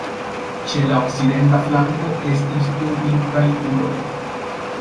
Ĉe la okcidenta flanko estis du pintaj turoj.